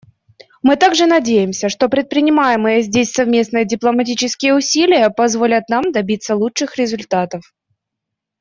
Мы также надеемся, что предпринимаемые здесь совместные дипломатические усилия позволят нам добиться лучших результатов.